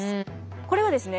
これはですね